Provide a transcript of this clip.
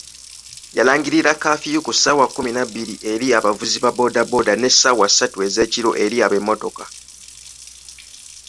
Yalangirira kafiyu ku ssaawa kkumi na bbiri eri abavuzi ba boodabooda ne ssaawa ssatu ezeekiro eri ab’emmotoka.